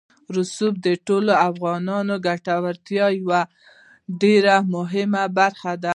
رسوب د ټولو افغانانو د ګټورتیا یوه ډېره مهمه برخه ده.